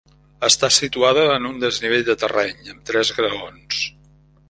Està situada en un desnivell de terreny, amb tres graons.